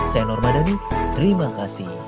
saya norma dhani terima kasih